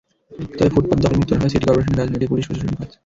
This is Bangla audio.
তবে ফুটপাত দখলমুক্ত রাখা সিটি করপোরেশনের কাজ নয়, এটি পুলিশ প্রশাসনের কাজ।